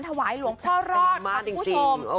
ถวายหลวงพ่อรอดค่ะคุณผู้ชม